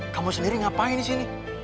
kamu sendiri ngapain disini